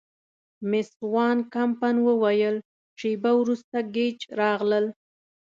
مېس وان کمپن ووتل، شیبه وروسته ګېج راغلل.